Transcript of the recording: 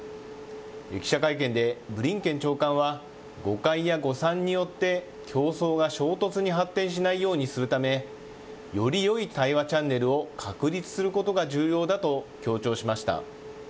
記者会見でブリンケン長官は、誤解や誤算によって競争が衝突に発展しないようにするため、よりよい対話チャンネルを確立することが重要だと強調しました。